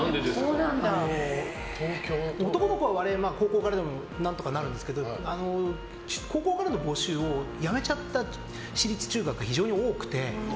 男の子は割合、高校からでも何とかなるんですけど高校からの募集をやめちゃった私立中学が非常に多くて。